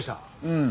うん。